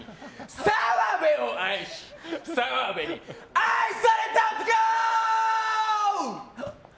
澤部を愛し、澤部に愛された男！